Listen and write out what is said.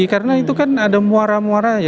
karena itu kan ada muara muara